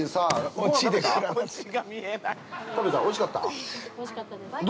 おいしかったです